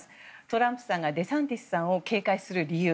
トランプさんがデサンティスさんを警戒する理由